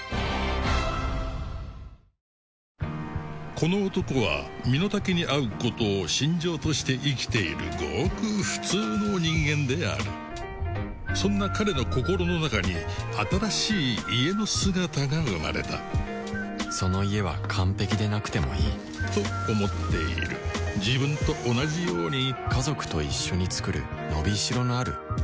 この男は身の丈に合うことを信条として生きているごく普通の人間であるそんな彼の心の中に新しい「家」の姿が生まれたその「家」は完璧でなくてもいいと思っている自分と同じように家族と一緒に作る伸び代のあるそんな「家」がいい